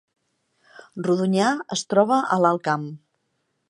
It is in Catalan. Rodonyà es troba a l’Alt Camp